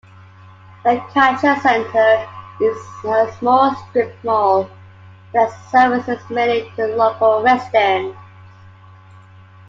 The Cachet Centre is a small strip mall that services mainly to local residents.